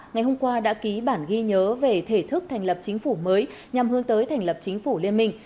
ngày hôm qua đã ký bản ghi nhớ về thể thức thành lập chính phủ mới nhằm hướng tới thành lập chính phủ liên minh